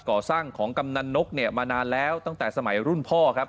ก่อสร้างของกำนันนกเนี่ยมานานแล้วตั้งแต่สมัยรุ่นพ่อครับ